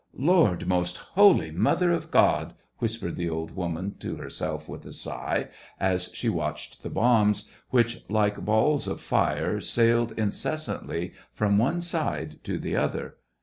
"Lord, Most Holy Mother of God!" whispered the old woman to herself with a sigh, as she watched the bombs, which, like balls of SEVASTOPOL IN MAY. 69 fire, sailed incessantly from one side to the other.